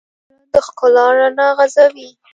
زړه د ښکلا رڼا غځوي.